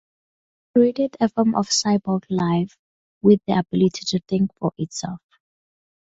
He created a form of cyborg life with the ability to think for itself.